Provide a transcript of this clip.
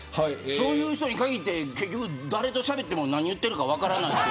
そういう人に限って結局誰としゃべっても何言ってるか分からない。